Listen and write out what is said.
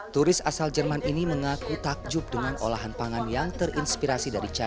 turis asal jerman ini mengaku takjub dengan olahan pangan yang terinspirasi dari